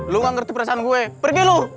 lo nggak ngerti perasaan gue pergi lo